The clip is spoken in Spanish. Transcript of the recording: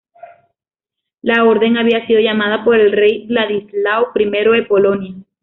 La Orden había sido llamada por el rey Vladislao I de Polonia.